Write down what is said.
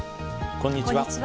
こんにちは。